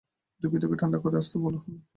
দুঃখিত, ওকে ঠান্ডা করে আসতে হল।